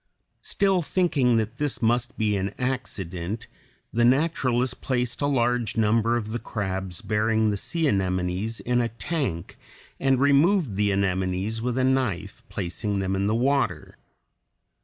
Still thinking that this must be an accident, the naturalist placed a large number of the crabs bearing the sea anemones in a tank and removed the anemones with a knife, placing them in the water.